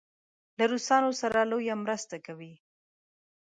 له روسانو سره لویه مرسته کوي.